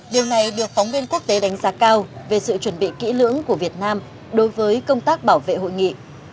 điều này được phóng viên quốc tế đánh giá cao về sự chuẩn bị kỹ lưỡng của việt nam đối với công tác bảo vệ hội nghị